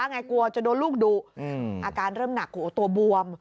ไงกลัวจะโดนลูกดุอาการเริ่มหนักตัวบวม